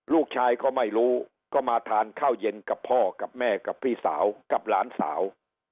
ลูกชายเขาไม่รู้ก็มาทานข้าวเย็นกับพ่อแม่พี่สาวหลานสาว